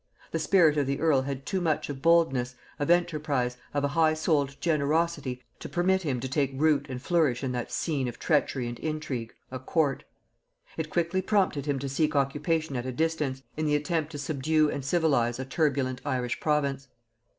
The spirit of the earl had too much of boldness, of enterprise, of a high souled generosity, to permit him to take root and flourish in that scene of treachery and intrigue a court; it quickly prompted him to seek occupation at a distance, in the attempt to subdue and civilize a turbulent Irish province.